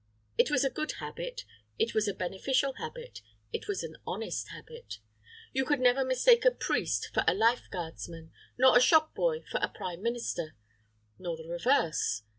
It was a good habit, it was a beneficial habit, was an honest habit. You could never mistake a priest for a life guardsman, nor a shop boy for a prime minister nor the reverse.